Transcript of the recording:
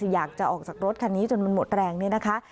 อยากจะออกจากรถคันนี้จนมันหมดแรงเนี่ยนะคะ